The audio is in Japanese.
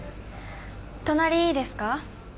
隣いいですか？